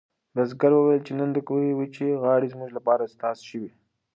بزګر وویل چې نن د کوهي وچې غاړې زموږ لپاره استاد شوې.